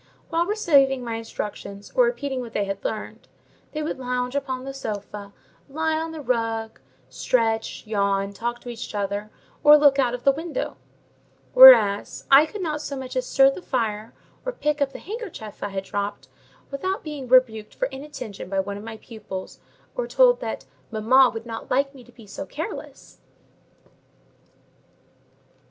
While receiving my instructions, or repeating what they had learned, they would lounge upon the sofa, lie on the rug, stretch, yawn, talk to each other, or look out of the window; whereas, I could not so much as stir the fire, or pick up the handkerchief I had dropped, without being rebuked for inattention by one of my pupils, or told that "mamma would not like me to be so careless."